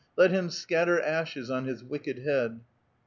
Let him scatter ashes ou his wicked head